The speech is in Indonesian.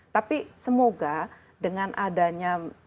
tapi semoga dengan adanya